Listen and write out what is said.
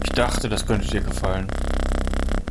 Ich dachte, das könnte dir gefallen.